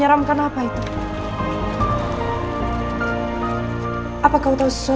jangan ada n motorola